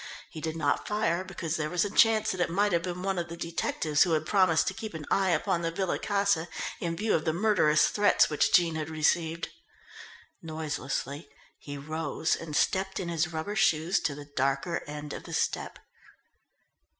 He did not fire because there was a chance that it might have been one of the detectives who had promised to keep an eye upon the Villa Casa in view of the murderous threats which Jean had received. Noiselessly he rose and stepped in his rubber shoes to the darker end of the stoep.